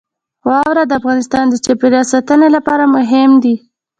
واوره د افغانستان د چاپیریال ساتنې لپاره مهم دي.